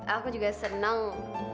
aku juga seneng